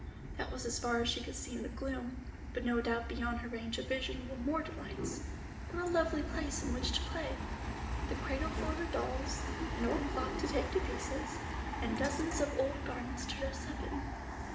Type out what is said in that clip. That was as far as she could see in the gloom, but no doubt beyond her range of vision were more delights. What a lovely place in which to play! The cradle for her dolls, an old clock to take to pieces, and dozens of old garments to dress up in.